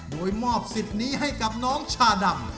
โดยมอบสิทธิ์นี้ให้กับน้องชาดำ